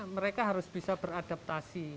mereka harus bisa beradaptasi